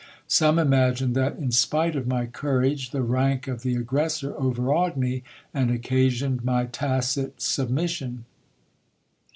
Some imagined that, in spite of my courage, the rank of the aggressor overawed me, and occasioned my tacit submission.